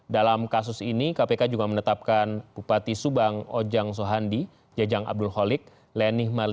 dalam kasus ini kpk juga menetapkan bupati subang ojang sohandi jajang abdul kholik lenih malina dan fahri nurmalo sebagai tersangka